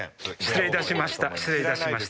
失礼いたしました。